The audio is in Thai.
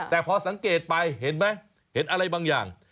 แต่พอสังเกตไปเห็นไหมเห็นอะไรบางอย่าง